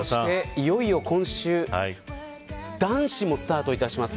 いよいよ今週男子もスタートいたします。